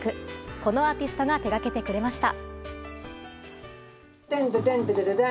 このアーティストが手がけてくれました。